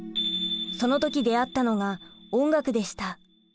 その時出会ったのが音楽でした。